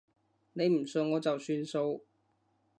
你唔信我就算數